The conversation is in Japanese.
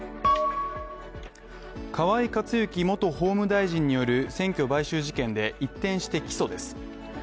河井克行元法務大臣による選挙買収事件で一転して起訴です。